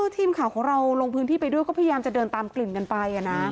ทีมข่าวของเราลงพื้นที่ไปด้วยก็พยายามจะเดินตามกลิ่นกันไป